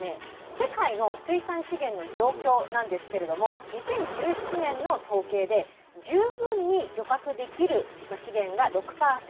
世界の水産資源の状況なんですけれども２０１７年の統計で十分に漁獲できる資源が６％。